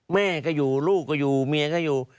แม่ก็อยู่ลูกก็อยู่เมียก็อยู่